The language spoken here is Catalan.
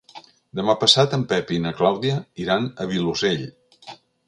Demà passat en Pep i na Clàudia iran al Vilosell.